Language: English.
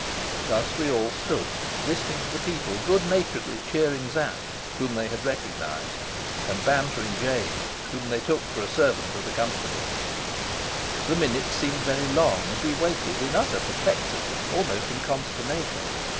Thus we all stood, listening to the people good naturedly cheering Sapt, whom they had recognized, and bantering James, whom they took for a servant of the constable's. The minutes seemed very long as we waited in utter perplexity, almost in consternation.